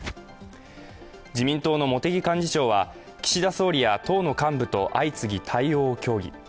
自民党の茂木幹事長は岸田総理や党の幹部と相次ぎ対応を協議。